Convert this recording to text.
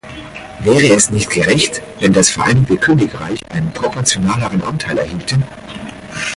Wäre es nicht gerecht, wenn das Vereinigte Königreich einen proportionaleren Anteil erhielte?